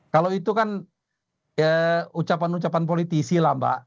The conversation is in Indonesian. kalau itu kan ucapan ucapan politisi lah mbak